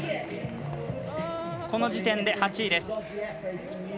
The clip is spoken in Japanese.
この時点で８位です。